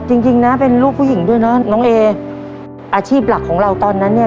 จริงจริงนะเป็นลูกผู้หญิงด้วยนะน้องเออาชีพหลักของเราตอนนั้นเนี่ย